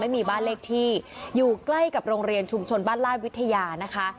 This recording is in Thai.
ไม่มีบ้านเลขที่อยู่ใกล้กับโรงเรียนชุมชนบ้านลาดวิทยานะคะ